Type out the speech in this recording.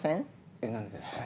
えっ何でですか？